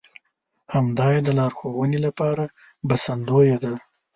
همدا يې د لارښوونې لپاره بسندويه ده.